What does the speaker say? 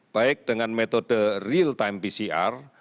baik dengan metode real time pcr